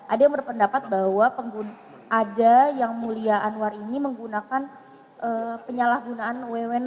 ada yang berpendapat bahwa ada yang mulia anwar ini menggunakan penyalahgunaan wwn